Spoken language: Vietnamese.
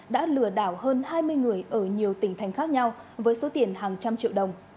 đã lừa đảo hơn hai mươi người ở nhiều tỉnh thành khác nhau với số tiền hàng trăm triệu đồng